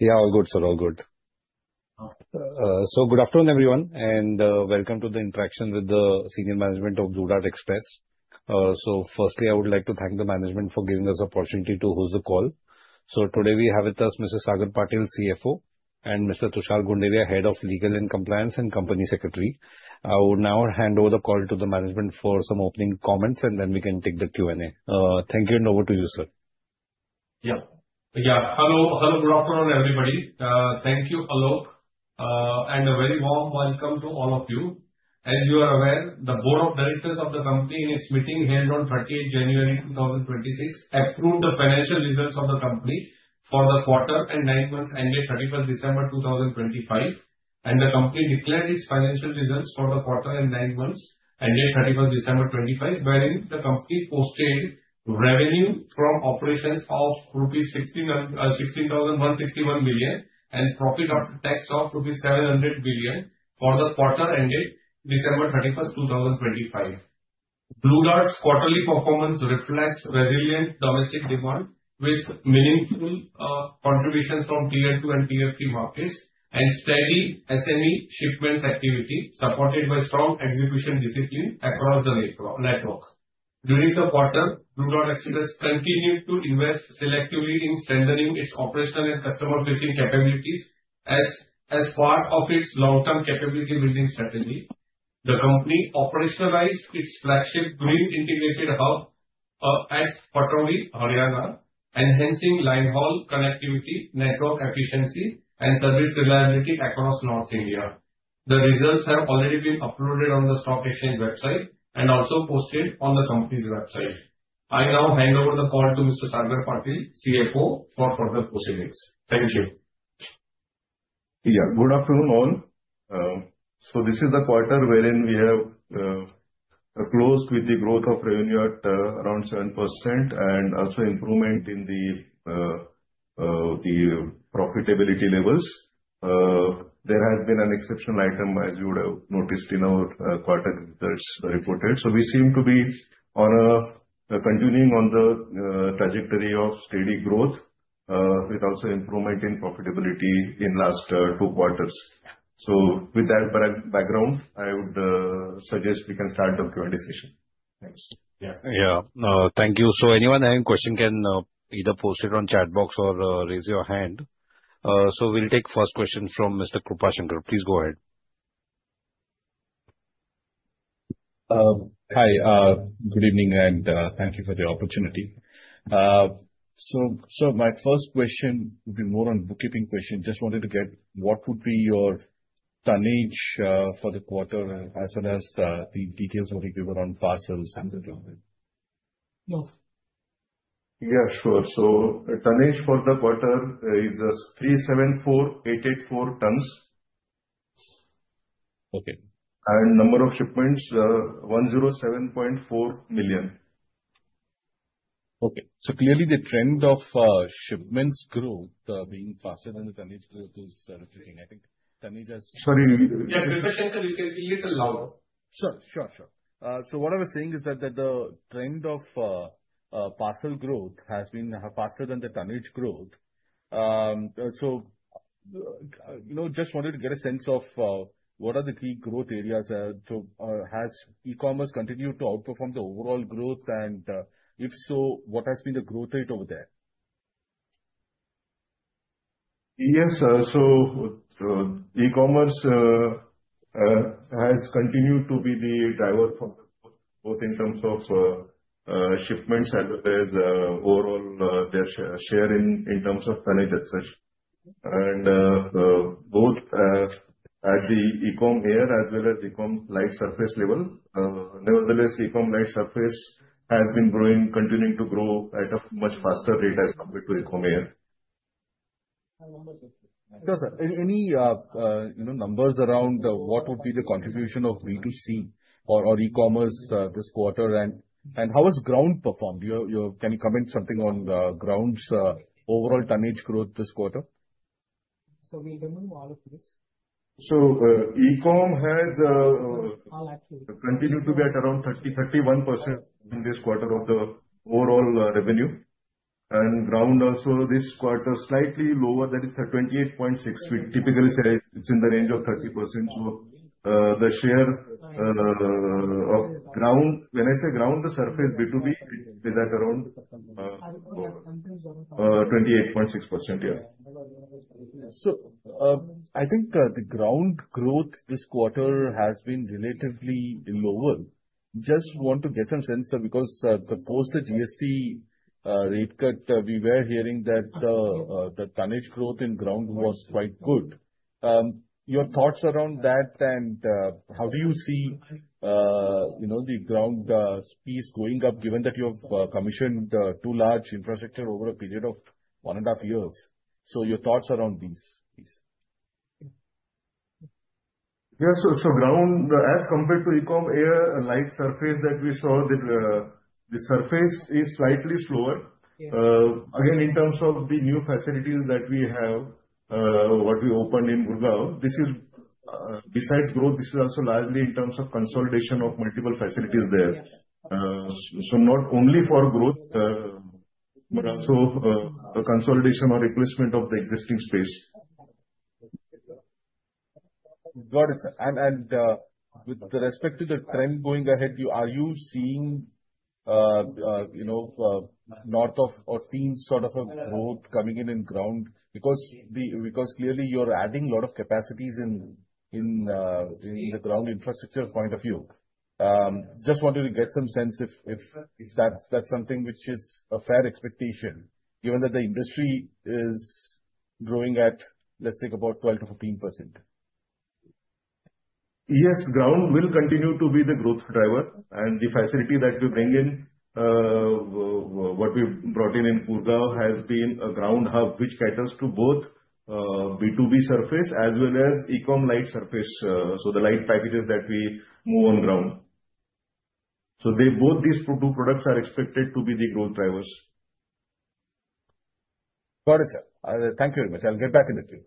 Yeah, all good, sir. All good. Good afternoon, everyone, and welcome to the interaction with the senior management of Blue Dart Express. Firstly, I would like to thank the management for giving us the opportunity to host the call. Today we have with us Mr. Sagar Patil, CFO, and Mr. Tushar Gunderia, Head of Legal and Compliance and Company Secretary. I would now hand over the call to the management for some opening comments, and then we can take the Q&A. Thank you, and over to you, sir. Hello. Good afternoon, everybody. Thank you, Alok, and a very warm welcome to all of you. As you are aware, the board of directors of the company in its meeting held on January 30th, 2026 approved the financial results of the company for the quarter and nine months ended December 31st, 2025, and the company declared its financial results for the quarter and nine months ended December 31st, 2025, wherein the company posted revenue from operations of rupees 16,161 million and profit after tax of rupees 700 million for the quarter ended December 31st, 2025. Blue Dart's quarterly performance reflects resilient domestic demand with meaningful contributions from Tier 2 and Tier 3 markets and steady SME shipments activity supported by strong execution discipline across the network. During the quarter, Blue Dart Express continued to invest selectively in strengthening its operational and customer-facing capabilities as part of its long-term capability building strategy. The company operationalized its flagship green integrated hub at Pataudi, Haryana, enhancing line haul connectivity, network efficiency and service reliability across North India. The results have already been uploaded on the stock exchange website and also posted on the company's website. I now hand over the call to Mr. Sagar Patil, CFO, for further proceedings. Thank you. Yeah, good afternoon, all. This is the quarter wherein we have closed with the growth of revenue at around 7% and also improvement in the profitability levels. There has been an exceptional item, as you would have noticed in our quarter results reported. We seem to be continuing on the trajectory of steady growth, with also improvement in profitability in last two quarters. With that background, I would suggest we can start the Q&A session. Thanks. Yeah. Thank you. Anyone having question can either post it on chat box or raise your hand. We'll take first question from Mr. Krupa Shankar. Please go ahead. Hi. Good evening, and thank you for the opportunity. My first question would be more on bookkeeping question. Just wanted to get what would be your tonnage for the quarter as well as the details whatever on parcels and the like? Yeah, sure. The tonnage for the quarter is 374,884 tons. Okay. Number of shipments are 107.4 million. Okay. Clearly the trend of shipments growth being faster than the tonnage growth is reflecting. I think tonnage has Sorry. Yeah, Krupa Shankar, you can be little louder. Sure. What I was saying is that the trend of parcel growth has been faster than the tonnage growth. Just wanted to get a sense of what are the key growth areas. Has e-commerce continued to outperform the overall growth and if so, what has been the growth rate over there? Yes. E-commerce has continued to be the driver for both in terms of shipments as well as overall their share in terms of tonnage as such. Both at the eCom Air as well as eCom Surface Lite level. Nevertheless, eCom Surface Lite has been continuing to grow at a much faster rate as compared to eCom Air. Our numbers. Any numbers around what would be the contribution of B2C or e-commerce this quarter and how has ground performed? Can you comment something on ground's overall tonnage growth this quarter? We remove all of this. eCom has. All active.... continued to be at around 31% in this quarter of the overall revenue and ground also this quarter slightly lower, that is at 28.6. We typically say it's in the range of 30%. The share of ground, when I say ground, the surface B2B is at around 28.6%, yeah. I think the ground growth this quarter has been relatively lower. Just want to get a sense, sir, because the postage GST rate cut, we were hearing that the tonnage growth in ground was quite good. Your thoughts around that and how do you see the ground piece going up given that you have commissioned two large infrastructure over a period of one and a half years? Your thoughts around these please. Yeah. Ground, as compared to eCom Air, eCom Surface Lite that we saw, the surface is slightly slower. Again, in terms of the new facilities that we have, what we opened in Gurgaon, this is, besides growth, this is also largely in terms of consolidation of multiple facilities there. Not only for growth, but also a consolidation or replacement of the existing space. Got it, sir. With respect to the trend going ahead, are you seeing north of 20 or teens sort of a growth coming in ground? Because clearly you're adding a lot of capacities in the ground infrastructure point of view. Just wanted to get some sense if that's something which is a fair expectation given that the industry is growing at, let's say, about 12%-15%. Yes, ground will continue to be the growth driver and the facility that we bring in, what we've brought in in Gurgaon has been a ground hub which caters to both B2B Surface as well as eCom Surface Lite, the light packages that we move on ground. Both these two products are expected to be the growth drivers. Got it, sir. Thank you very much. I'll get back in the queue.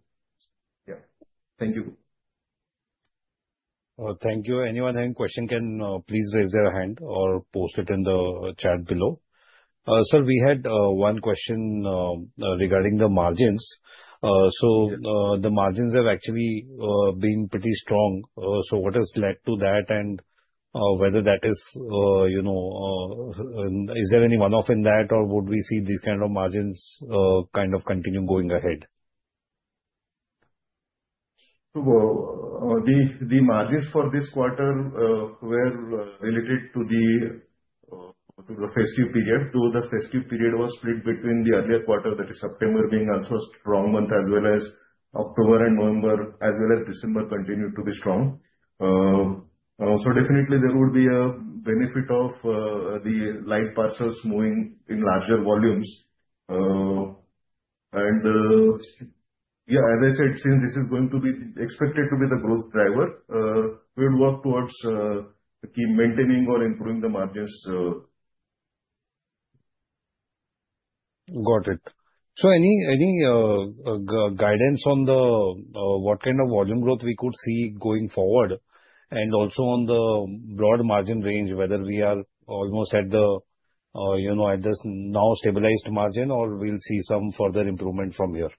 Yeah. Thank you. Thank you. Anyone having question can please raise their hand or post it in the chat below. Sir, we had one question regarding the margins. The margins have actually been pretty strong, so what has led to that and whether that is. Is there any one-off in that or would we see these kind of margins kind of continue going ahead? The margins for this quarter were related to the festive period, though the festive period was split between the earlier quarter, that is September being also a strong month as well as October and November, as well as December continued to be strong. Definitely there would be a benefit of the light parcels moving in larger volumes. As I said, since this is going to be expected to be the growth driver, we'll work towards maintaining or improving the margins. Got it. Any guidance on what kind of volume growth we could see going forward and also on the broad margin range, whether we are almost at the now stabilized margin or we'll see some further improvement from here?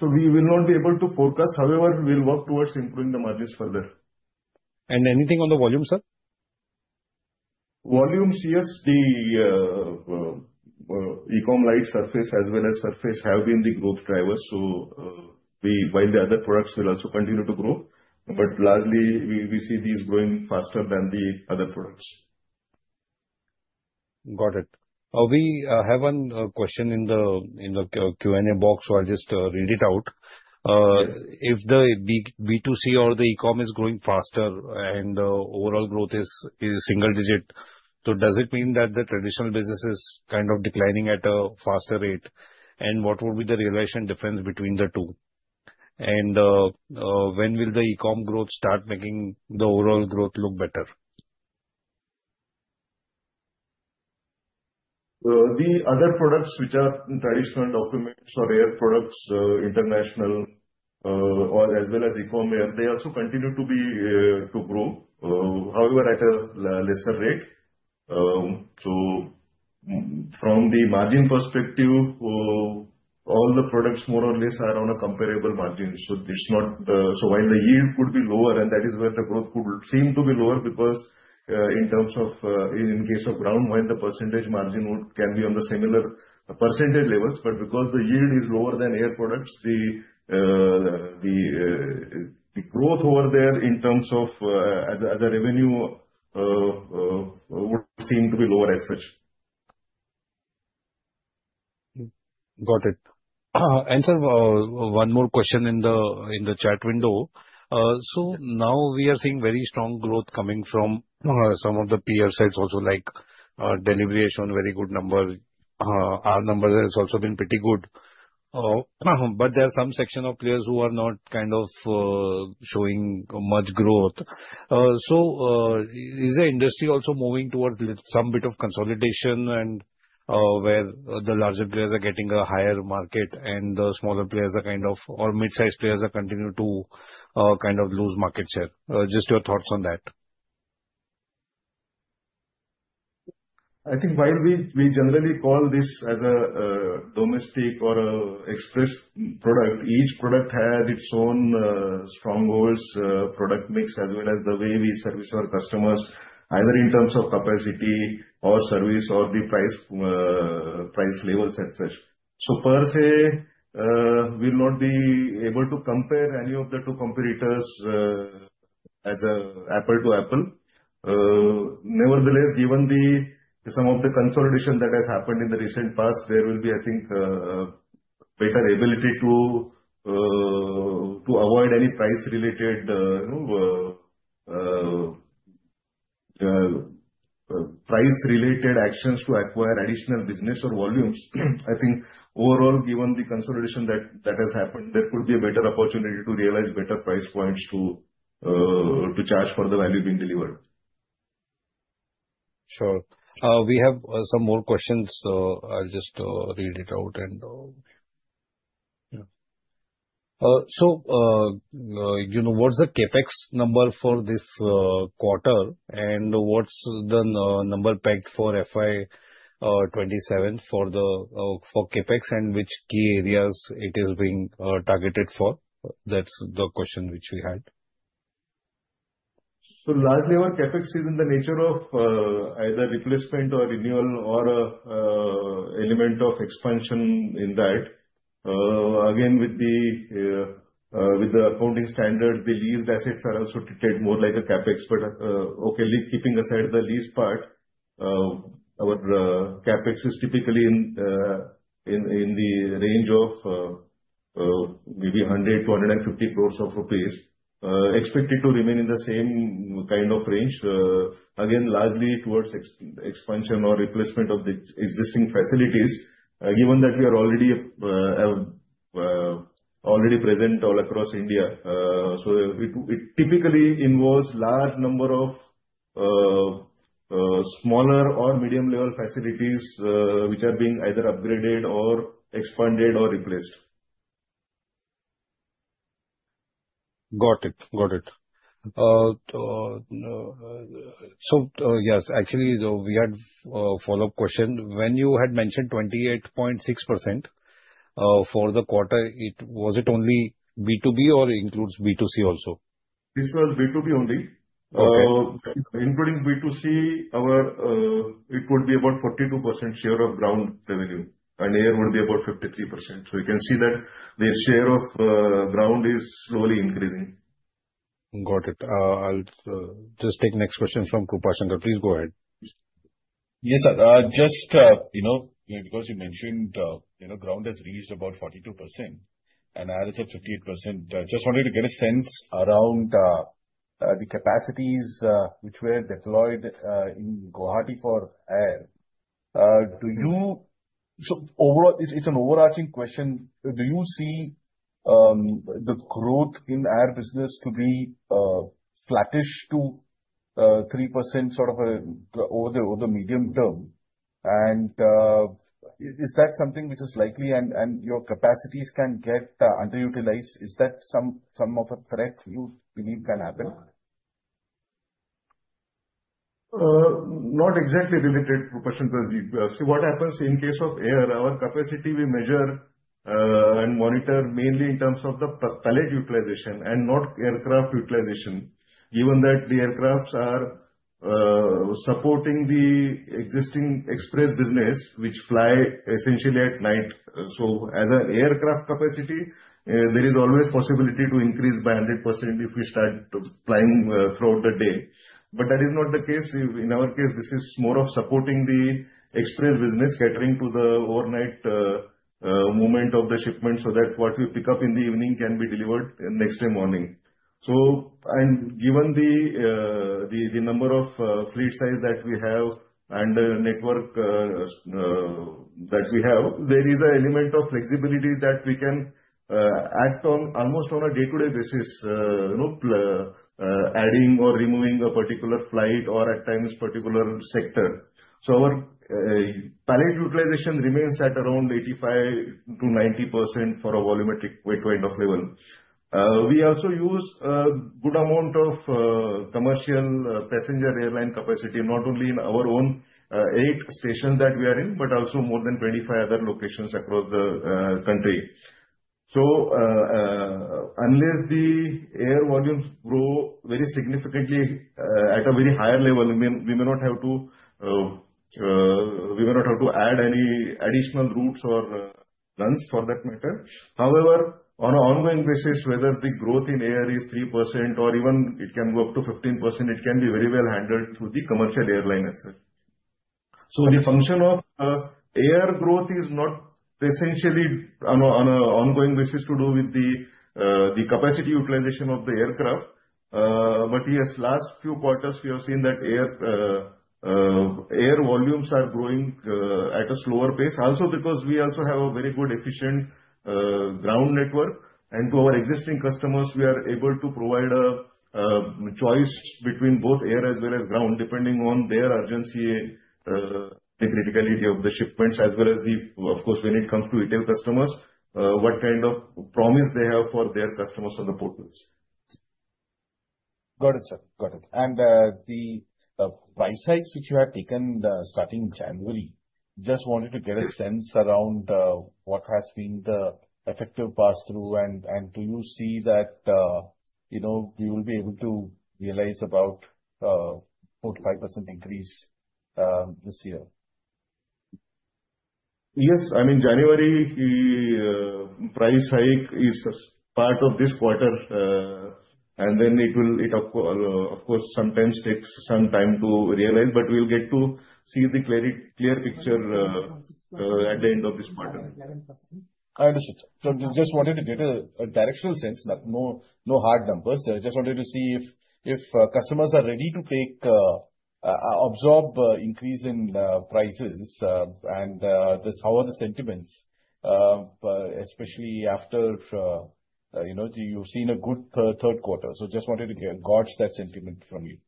We will not be able to forecast. However, we'll work towards improving the margins further. Anything on the volume, sir? Volumes, yes. The eCom Surface Lite as well as Surface have been the growth drivers. While the other products will also continue to grow, but largely we see these growing faster than the other products. Got it. We have one question in the Q&A box, so I'll just read it out. Yes. If the B2C or the eCom is growing faster and overall growth is single digit, so does it mean that the traditional business is kind of declining at a faster rate? What will be the relative difference between the two? When will the eCom growth start making the overall growth look better? The other products which are traditional documents or air products, international as well as eCom Air, they also continue to grow, however, at a lesser rate. From the margin perspective, all the products more or less are on a comparable margin. While the yield could be lower, and that is where the growth could seem to be lower because in terms of in case of ground, while the percentage margin can be on the similar percentage levels, but because the yield is lower than air products, the growth over there in terms of as a revenue would seem to be lower as such. Got it. Sir, one more question in the chat window. Now we are seeing very strong growth coming from some of the peer sets also like Delhivery has shown very good number. Our number has also been pretty good. There are some section of players who are not kind of showing much growth. Is the industry also moving towards some bit of consolidation and where the larger players are getting a higher market and the smaller players are kind of or mid-size players are continuing to kind of lose market share? Just your thoughts on that. I think while we generally call this as a domestic or express product, each product has its own strongholds, product mix, as well as the way we service our customers, either in terms of capacity or service or the price levels as such. Per se, we'll not be able to compare any of the two competitors as an apples to apples. Nevertheless, given some of the consolidation that has happened in the recent past, there will be, I think, a better ability to avoid any price-related actions to acquire additional business or volumes. I think overall, given the consolidation that has happened, there could be a better opportunity to realize better price points to charge for the value being delivered. Sure. We have some more questions. I'll just read it out. What's the CapEx number for this quarter, and what's the number pegged for FY 2027 for CapEx, and which key areas it is being targeted for? That's the question which we had. Largely, our CapEx is in the nature of either replacement or renewal or element of expansion in that. Again, with the accounting standard, the leased assets are also treated more like a CapEx. Okay, keeping aside the lease part, our CapEx is typically in the range of maybe 100-150 crores of rupees, expected to remain in the same kind of range. Again, largely towards expansion or replacement of the existing facilities, given that we are already present all across India. It typically involves large number of smaller or medium level facilities, which are being either upgraded or expanded or replaced. Got it. Yes. Actually, we had a follow-up question. When you had mentioned 28.6% for the quarter, was it only B2B or includes B2C also? This was B2B only. Okay. Including B2C, it would be about 42% share of ground revenue, and air would be about 53%. You can see that the share of ground is slowly increasing. Got it. I'll just take the next question from Krupa Shankar. Please go ahead. Yes, sir. Just because you mentioned ground has reached about 42%, and air is at 58%, just wanted to get a sense around the capacities which were deployed in Guwahati for air. It's an overarching question. Do you see the growth in air business to be flattish to 3% sort of over the medium term? And is that something which is likely, and your capacities can get underutilized? Is that some sort of a threat you believe can happen? Not exactly related, Krupa Shankar. See what happens in case of air. Our capacity we measure and monitor mainly in terms of the pallet utilization and not aircraft utilization, given that the aircraft are supporting the existing express business, which fly essentially at night. As an aircraft capacity, there is always possibility to increase by 100% if we start flying throughout the day. That is not the case. In our case, this is more of supporting the express business, catering to the overnight movement of the shipment, so that what we pick up in the evening can be delivered next day morning. Given the number of fleet size that we have and the network that we have, there is an element of flexibility that we can act on almost on a day-to-day basis, adding or removing a particular flight or at times particular sector. Our pallet utilization remains at around 85%-90% for a volumetric weight kind of level. We also use a good amount of commercial passenger airline capacity, not only in our own eight stations that we are in, but also more than 25 other locations across the country. Unless the air volumes grow very significantly at a very high level, we may not have to add any additional routes or runs for that matter. However, on an ongoing basis, whether the growth in air is 3% or even it can go up to 15%, it can be very well handled through the commercial airline itself. The function of air growth is not essentially on an ongoing basis to do with the capacity utilization of the aircraft. Yes, last few quarters, we have seen that air volumes are growing at a slower pace, also because we also have a very good efficient ground network, and to our existing customers, we are able to provide a choice between both air as well as ground, depending on their urgency, the criticality of the shipments, as well as the, of course, when it comes to retail customers, what kind of promise they have for their customers on the portals. Got it, sir. The price hikes which you have taken starting January, just wanted to get a sense around what has been the effective pass through, and do you see that you will be able to realize about 45% increase this year? Yes. I mean, January, the price hike is part of this quarter. It of course sometimes takes some time to realize, but we'll get to see the clear picture at the end of this quarter. I understand, sir. Just wanted to get a directional sense, no hard numbers. Just wanted to see if customers are ready to absorb increase in prices and how are the sentiments, especially after you've seen a good third quarter. Just wanted to gauge that sentiment from you.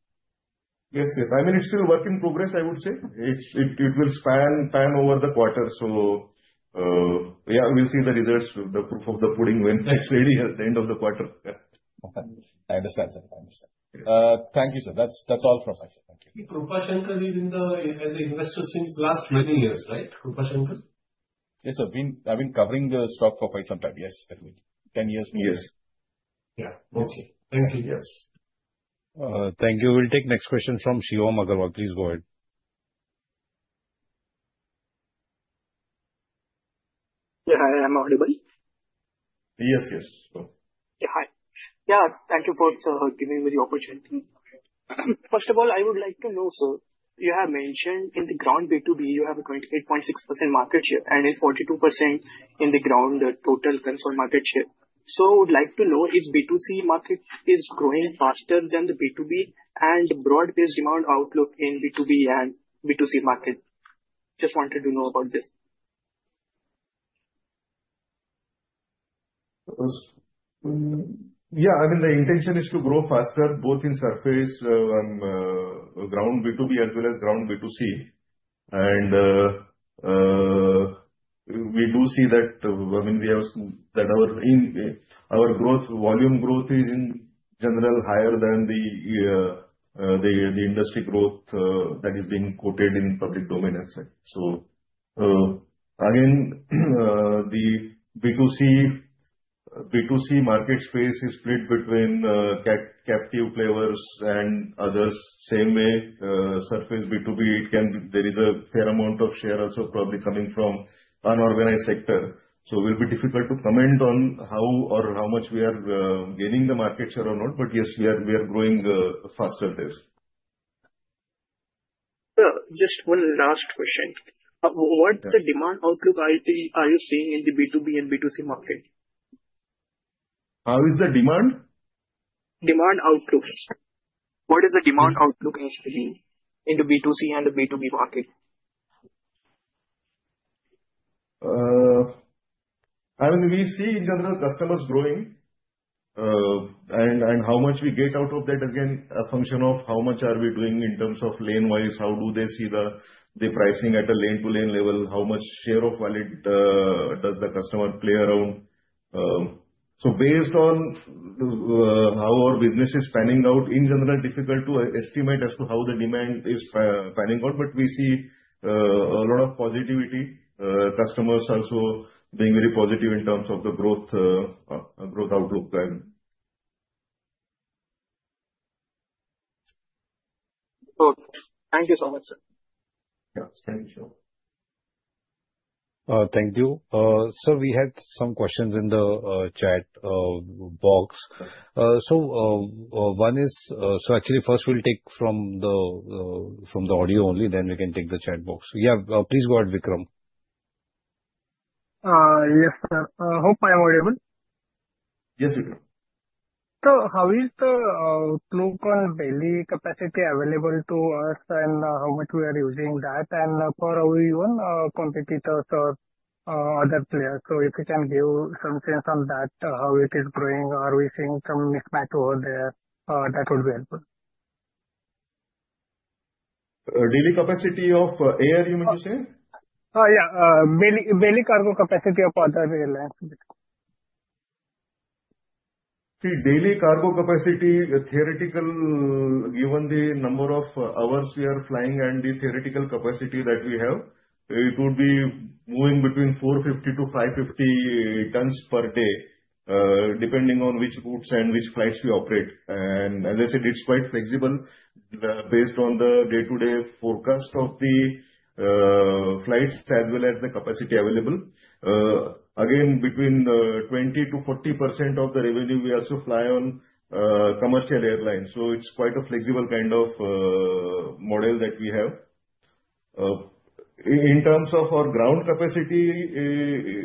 Yes. It's still a work in progress, I would say. It will span over the quarter. We'll see the results with the proof of the pudding when it's ready at the end of the quarter. Okay. I understand, sir. Thank you, sir. That's all from my side. Thank you. Krupa Shankar has been the investor since last many years, right? Krupa Shankar. Yes, sir. I've been covering the stock for quite some time. Yes. Definitely. 10 years, maybe. Yes. Okay. Thank you. Yes. Thank you. We'll take next question from Shivom Aggarwal. Please go ahead. Yeah. Hi, I'm audible? Yes. Hi. Thank you for giving me the opportunity. First of all, I would like to know, sir, you have mentioned in the ground B2B you have a 28.6% market share, and a 42% in the ground total tons on market share. I would like to know if B2C market is growing faster than the B2B and broad-based demand outlook in B2B and B2C market. Just wanted to know about this. Yeah. The intention is to grow faster both in surface and ground B2B as well as ground B2C. We do see that our volume growth is in general higher than the industry growth that is being quoted in public domain. Again, the B2C market space is split between captive players and others. Same way, surface B2B, there is a fair amount of share also probably coming from unorganized sector. Will be difficult to comment on how or how much we are gaining the market share or not. Yes, we are growing faster there. Sir, just one last question. What's the demand outlook you're seeing in the B2B and B2C market? How is the demand? Demand outlook. What is the demand outlook actually in the B2C and the B2B market? We see in general customers growing. How much we get out of that is again a function of how much are we doing in terms of lane wise, how do they see the pricing at a lane to lane level, how much share of wallet does the customer play around. Based on how our business is panning out, in general, it's difficult to estimate as to how the demand is panning out, but we see a lot of positivity, customers also being very positive in terms of the growth outlook plan. Good. Thank you so much, sir. Yeah. Thank you. Thank you. Sir, we had some questions in the chat box. Actually, first we'll take from the audio only, then we can take the chat box. Yeah, please go ahead, Vikram. Yes, sir. Hope I am audible? Yes, we can. Sir, how is the outlook on daily capacity available to us and how much we are using that and for our even competitors or other players? If you can give some sense on that, how it is growing or we're seeing some mismatch over there, that would be helpful. Daily capacity of Air you were saying? Yeah. Daily cargo capacity of Tata Group. See, daily cargo capacity, theoretical, given the number of hours we are flying and the theoretical capacity that we have, it would be moving between 450-550 tons per day, depending on which routes and which flights we operate. As I said, it's quite flexible based on the day-to-day forecast of the flights as well as the capacity available. Again, between 20%-40% of the revenue we also fly on commercial airlines. It's quite a flexible kind of model that we have. In terms of our ground capacity,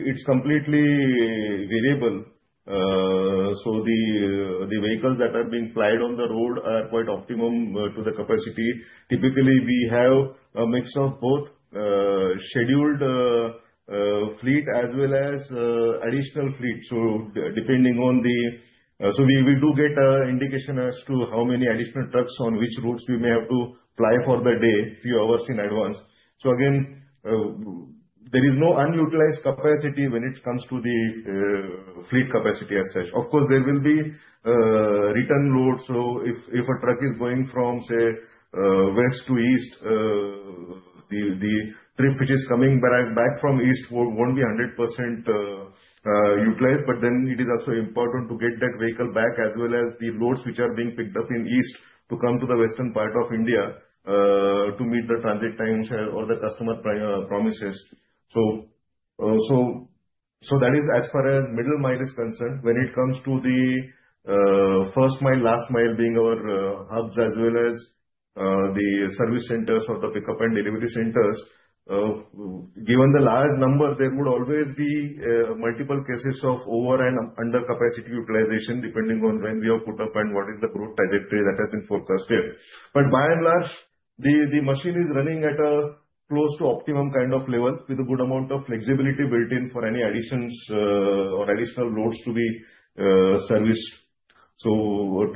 it's completely variable. The vehicles that are being plied on the road are quite optimum to the capacity. Typically, we have a mix of both scheduled fleet as well as additional fleet. We do get an indication as to how many additional trucks on which routes we may have to ply for the day, few hours in advance. Again, there is no unutilized capacity when it comes to the fleet capacity as such. Of course, there will be return loads. If a truck is going from, say, west to east, the trip which is coming back from east won't be 100% utilized, but then it is also important to get that vehicle back, as well as the loads which are being picked up in east to come to the western part of India, to meet the transit time or the customer promises. That is as far as middle mile is concerned. When it comes to the first mile, last mile being our hubs as well as the service centers or the pickup and delivery centers, given the large number, there would always be multiple cases of over and under capacity utilization, depending on when we have put up and what is the growth trajectory that has been forecasted. By and large, the machine is running at a close to optimum kind of level with a good amount of flexibility built in for any additions or additional loads to be serviced. To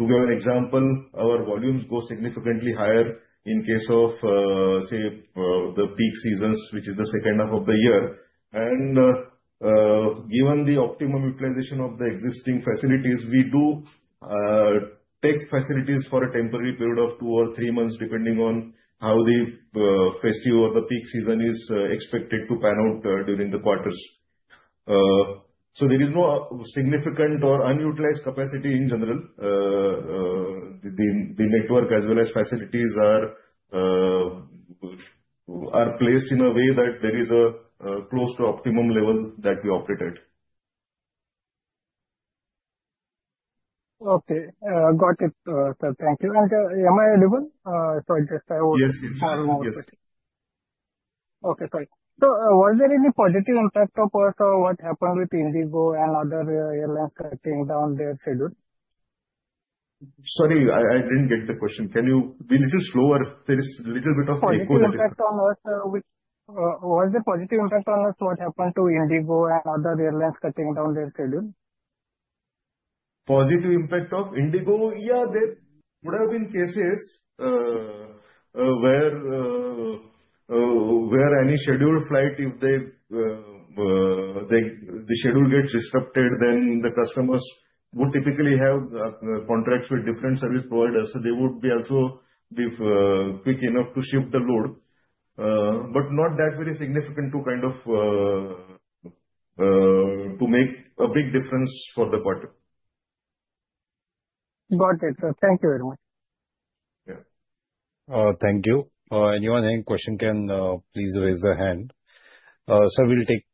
give an example, our volumes go significantly higher in case of, say, the peak seasons, which is the second half of the year. Given the optimum utilization of the existing facilities, we do take facilities for a temporary period of two or three months, depending on how the peak season is expected to pan out during the quarters. There is no significant or unutilized capacity in general. The network as well as facilities are placed in a way that there is a close to optimum level that we operate at. Okay. Got it, sir. Thank you. Am I audible? Sorry. Yes. have one more question. Okay. Sorry. Was there any positive impact of what happened with IndiGo and other airlines cutting down their schedule? Sorry, I didn't get the question. Can you be a little slower? There is a little bit of echo. Was there positive impact on what happened to IndiGo and other airlines cutting down their schedule? Positive impact of IndiGo? Yeah, there would have been cases where any scheduled flight, if the schedule gets disrupted, then the customers would typically have contracts with different service providers. They would also be quick enough to shift the load, but not that very significant to make a big difference for the quarter. Got it, sir. Thank you very much. Yeah. Thank you. Anyone having question can please raise their hand. Sir, we'll take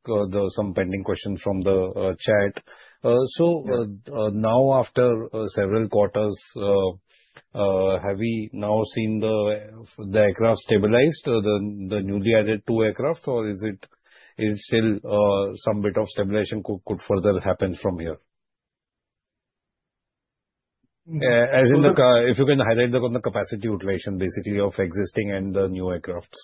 some pending questions from the chat. Now after several quarters, have we now seen the aircraft stabilized, the newly added two aircraft, or is it still some bit of stabilization could further happen from here? If you can highlight on the capacity utilization, basically, of existing and the new aircrafts.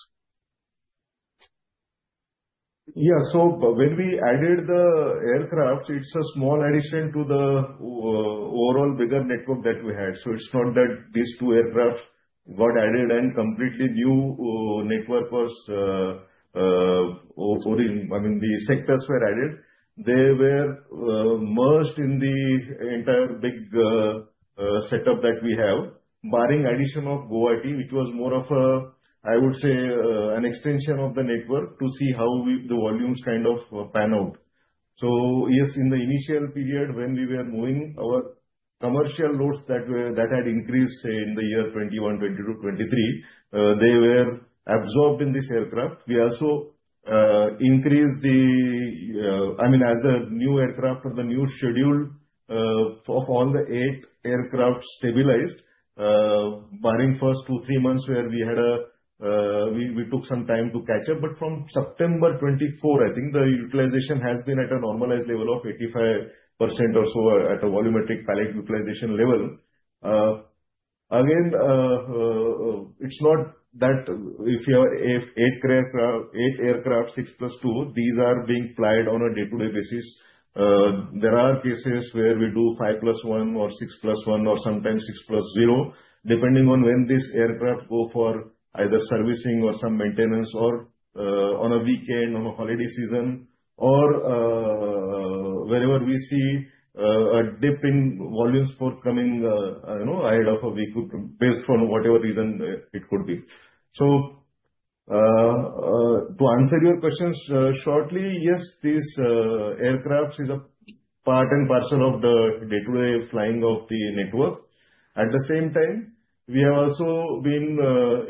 Yeah. When we added the aircraft, it's a small addition to the overall bigger network that we had. It's not that these two aircraft got added. I mean, these sectors were added. They were merged in the entire big setup that we have. Barring addition of Guwahati, which was more of a, I would say, an extension of the network to see how the volumes kind of pan out. Yes, in the initial period when we were moving our commercial loads that had increased in the year 2021, 2022, 2023, they were absorbed in this aircraft. I mean, as a new aircraft or the new schedule of all the eight aircraft stabilized, barring first two, three months, where we took some time to catch up. From September 2024, I think the utilization has been at a normalized level of 85% or so at a volumetric pallet utilization level. Again, it's not that if eight aircraft, 6 + 2, these are being applied on a day-to-day basis. There are cases where we do 5 + 1 or 6 + 1 or sometimes 6 + 0, depending on when this aircraft go for either servicing or some maintenance or on a weekend, on a holiday season or wherever we see a dip in volumes forthcoming, ahead of a week based on whatever reason it could be. To answer your questions shortly, yes, these aircraft is a part and parcel of the day-to-day flying of the network. At the same time, we have also been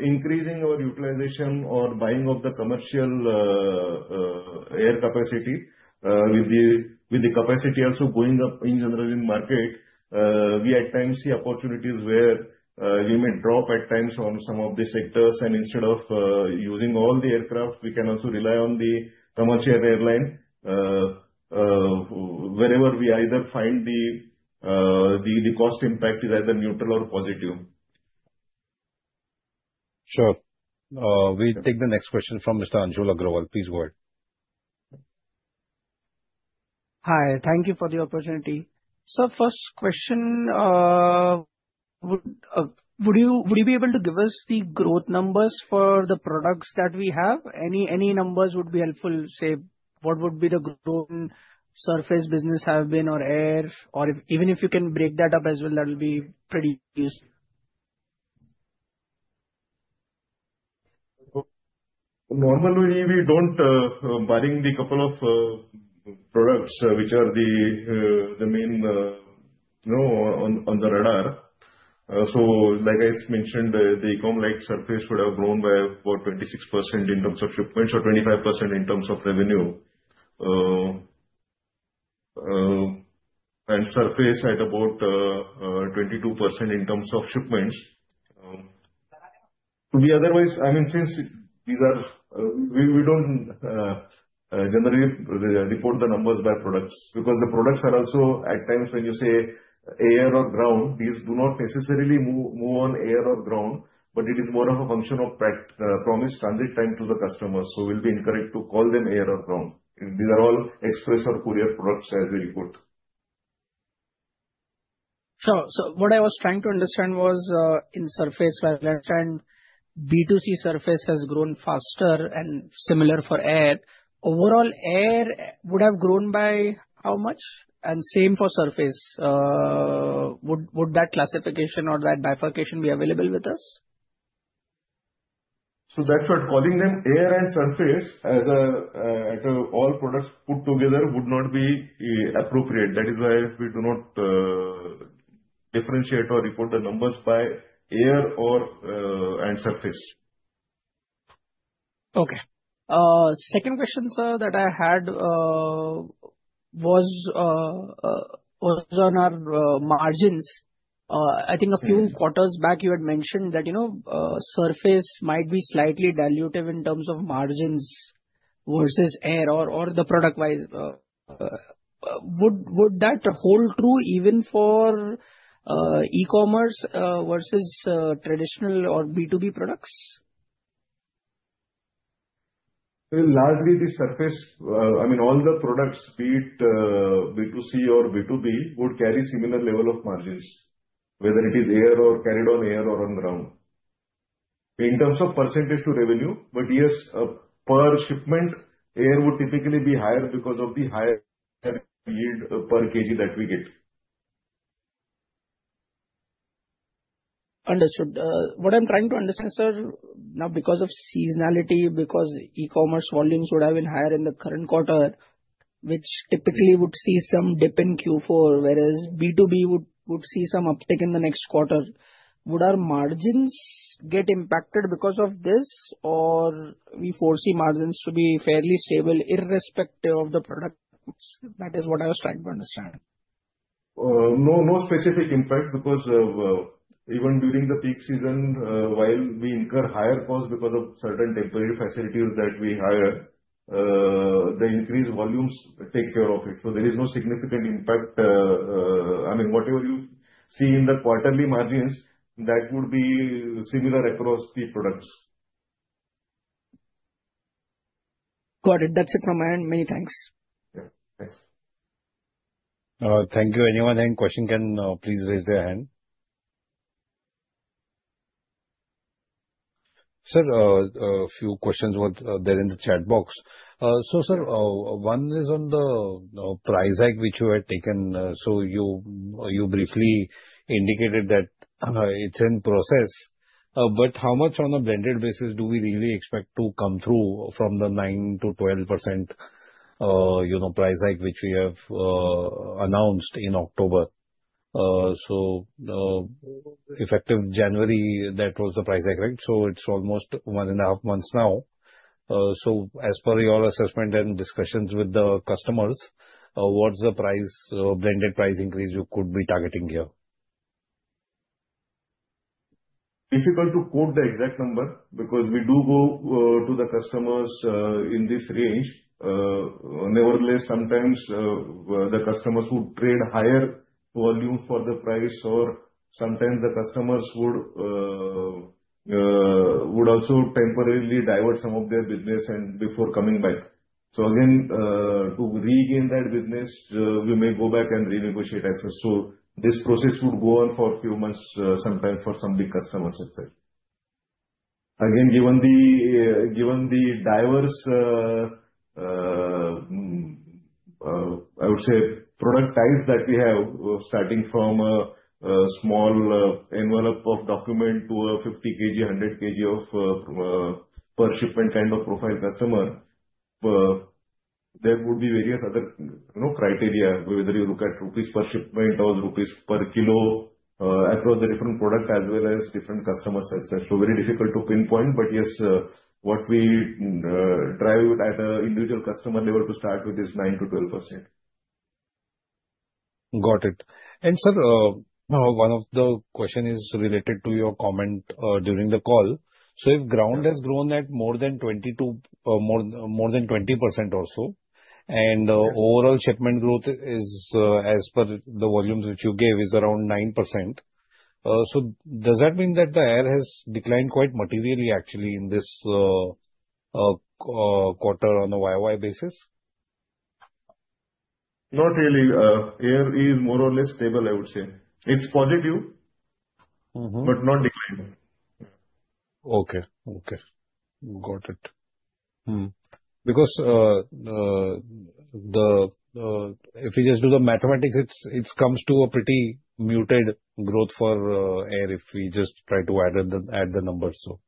increasing our utilization or buying of the commercial air capacity. With the capacity also going up in general in market, we at times see opportunities where we may drop rates on some of the sectors, and instead of using all the aircraft, we can also rely on the commercial airline wherever we either find the cost impact is either neutral or positive. Sure. We'll take the next question from Mr. Anshul Aggarwal. Please go ahead. Hi. Thank you for the opportunity. Sir, first question, would you be able to give us the growth numbers for the products that we have? Any numbers would be helpful. Say, what would be the growth in surface business have been or air, or even if you can break that up as well, that'll be pretty useful. Normally, we don't, barring the couple of products which are the main ones on the radar. Like I mentioned, the eCom Surface Lite would have grown by about 26% in terms of shipments or 25% in terms of revenue. Surface at about 22% in terms of shipments. It would be otherwise, since these are. We don't generate or report the numbers by products, because the products are also at times when you say air or ground, these do not necessarily move on air or ground, but it is more of a function of promised transit time to the customers, so it will be incorrect to call them air or ground. These are all express or courier products as we report. Sure. What I was trying to understand was, in surface B2C surface has grown faster and similar for air. Overall air would have grown by how much? Same for surface. Would that classification or that bifurcation be available with us? That's why calling them air and surface as all products put together would not be appropriate. That is why we do not differentiate or report the numbers by air and surface. Okay. Second question, sir, that I had, was on our margins. I think a few quarters back you had mentioned that surface might be slightly dilutive in terms of margins versus air or the product wise. Would that hold true even for e-commerce versus traditional or B2B products? Well, largely the surface, all the products, be it B2C or B2B, would carry similar level of margins, whether it is air or carried on air or on ground. In terms of percentage to revenue, but yes, per shipment, air would typically be higher because of the higher yield per kg that we get. Understood. What I'm trying to understand, sir, now because of seasonality, because e-commerce volumes would have been higher in the current quarter, which typically would see some dip in Q4, whereas B2B would see some uptick in the next quarter. Would our margins get impacted because of this, or we foresee margins to be fairly stable irrespective of the product mix? That is what I was trying to understand. No specific impact because even during the peak season, while we incur higher costs because of certain temporary facilities that we hire, the increased volumes take care of it, so there is no significant impact. Whatever you see in the quarterly margins, that would be similar across the products. Got it. That's it from my end. Many thanks. Yeah. Thanks. Thank you. Anyone having question can please raise their hand. Sir, a few questions were there in the chat box. Sir, one is on the price hike which you had taken. You briefly indicated that it's in process. How much on a blended basis do we really expect to come through from the 9%-12% price hike which we have announced in October? Effective January, that was the price hike, right? It's almost one and a half months now. As per your assessment and discussions with the customers, what's the blended price increase you could be targeting here? Difficult to quote the exact number because we do go to the customers, in this range. Nevertheless, sometimes the customers would trade higher volume for the price or sometimes the customers would also temporarily divert some of their business before coming back. Again, to regain that business, we may go back and renegotiate as well. This process would go on for a few months, sometimes for some big customers itself. Again, given the diverse, I would say, product types that we have, starting from a small envelope of document to a 50 kg, 100 kg per shipment kind of profile customer, there would be various other criteria, whether you look at rupees per shipment or rupees per kilo, across the different products as well as different customers as such. Very difficult to pinpoint, but yes, what we drive at an individual customer level to start with is 9%-12%. Got it. Sir, one of the question is related to your comment during the call. If ground has grown at more than 20% or so, and overall shipment growth is as per the volumes which you gave, is around 9%. Does that mean that the air has declined quite materially actually in this quarter on a YY basis? Not really. Air is more or less stable, I would say. It's positive. Mm-hmm Not declining. Okay. Got it. Because if you just do the mathematics, it comes to a pretty muted growth for air, if we just try to add the numbers, so.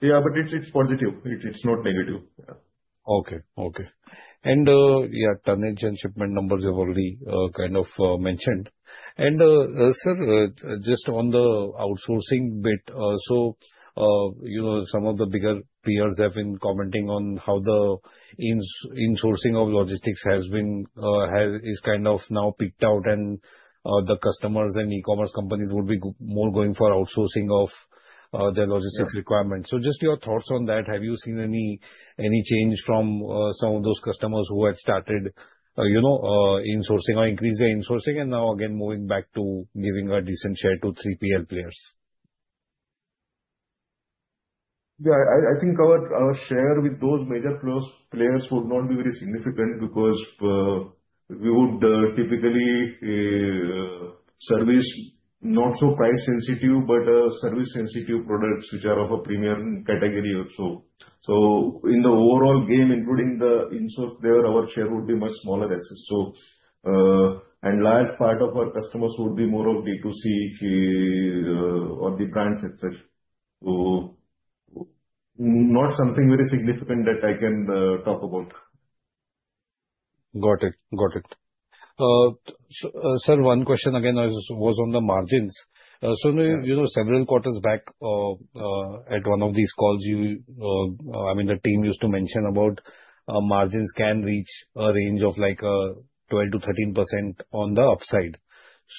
Yeah, it's positive. It's not negative. Okay. Yeah, tonnage and shipment numbers you have already kind of mentioned. Sir, just on the outsourcing bit, so some of the bigger peers have been commenting on how the insourcing of logistics is kind of now peaked out and the customers and e-commerce companies would be more going for outsourcing of their logistics requirements. Just your thoughts on that. Have you seen any change from some of those customers who had started insourcing or increasing insourcing, and now again moving back to giving a decent share to 3PL players? Yeah, I think our share with those major players would not be very significant because we would typically service not so price sensitive, but service sensitive products, which are of a premium category or so. In the overall game, including the in-source player, our share would be much smaller. Large part of our customers would be more of B2C or the brands itself. Not something very significant that I can talk about. Got it. Sir, one question again was on the margins. Maybe several quarters back, at one of these calls, the team used to mention about margins can reach a range of 12%-13% on the upside.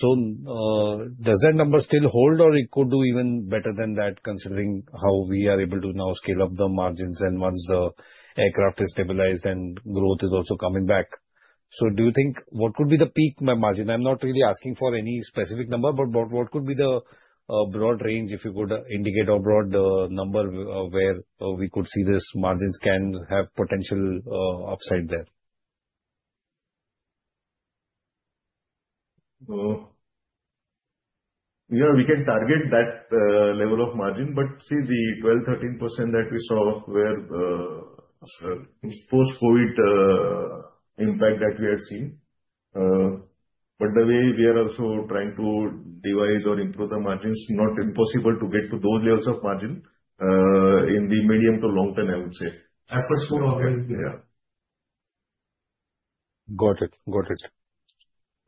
Does that number still hold or it could do even better than that, considering how we are able to now scale up the margins and once the aircraft is stabilized and growth is also coming back. What could be the peak margin? I'm not really asking for any specific number, but what could be the broad range, if you could indicate a broad number where we could see these margins can have potential upside there? We can target that level of margin, but see the 12%-13% that we saw were post-COVID impact that we had seen. The way we are also trying to devise or improve the margins, not impossible to get to those levels of margin, in the medium to long term, I would say. Efforts will always be there. Got it.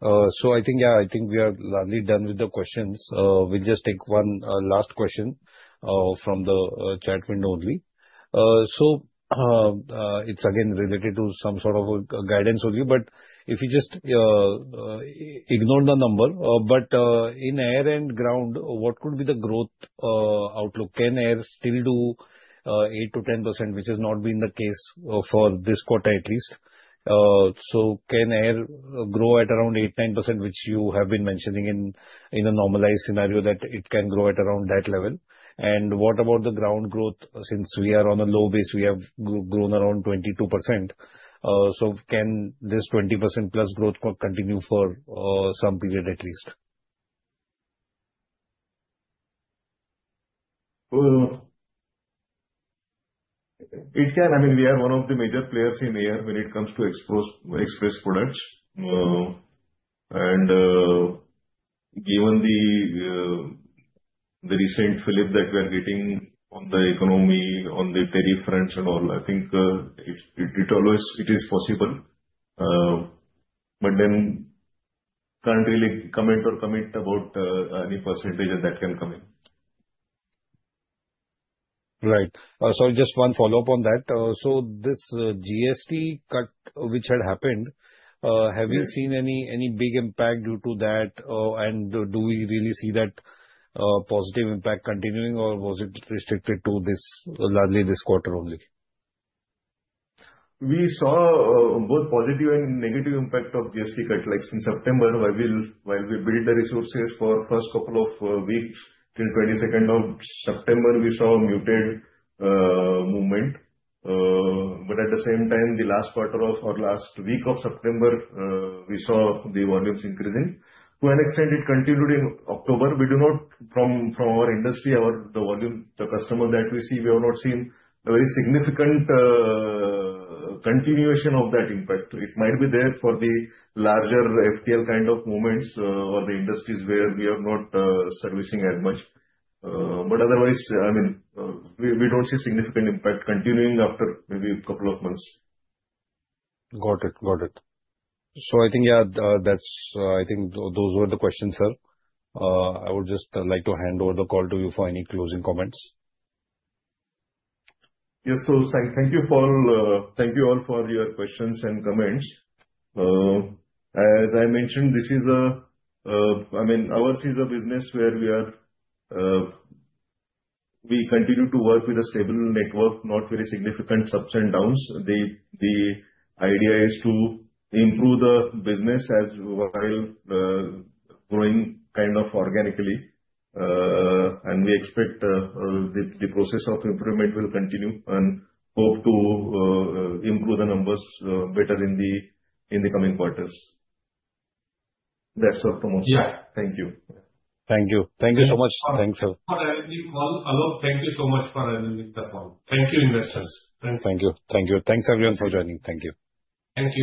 I think, yeah, I think we are largely done with the questions. We'll just take one last question from the chat window only. It's again related to some sort of a guidance only, but if you just ignore the number. In air and ground, what could be the growth outlook? Can air still do 8%-10%, which has not been the case for this quarter at least? Can air grow at around 8%-10%, which you have been mentioning in a normalized scenario that it can grow at around that level? What about the ground growth, since we are on a low base, we have grown around 22%. Can this 20%+ growth continue for some period, at least? It can. We are one of the major players in air when it comes to express products. Given the recent fillip that we are getting on the economy, on the tariff fronts and all, I think it is possible. Can't really comment about any percentages that can come in. Right. Just one follow-up on that. This GST cut which had happened, have you seen any big impact due to that? Do we really see that positive impact continuing or was it restricted to largely this quarter only? We saw both positive and negative impact of GST cut. Like since September, while we build the resources for first couple of weeks till September 22nd, we saw muted movement. At the same time, the last quarter or last week of September, we saw the volumes increasing. To an extent it continued in October. From our industry or the volume, the customer that we see, we have not seen a very significant continuation of that impact. It might be there for the larger FTL kind of movements or the industries where we are not servicing that much. Otherwise, we don't see significant impact continuing after maybe a couple of months. Got it. I think, yeah, I think those were the questions, sir. I would just like to hand over the call to you for any closing comments. Yes. Thank you all for your questions and comments. As I mentioned, ours is a business where we continue to work with a stable network, not very significant ups and downs. The idea is to improve the business as while growing kind of organically. We expect the process of improvement will continue, and hope to improve the numbers better in the coming quarters. That's all from us. Thank you. Thank you. Thank you so much. Thanks, sir. Thank you so much for handling the call. Thank you, investors. Thanks. Thank you. Thanks, everyone, for joining. Thank you. Thank you.